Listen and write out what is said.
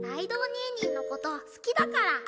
にーにーのこと好きだから。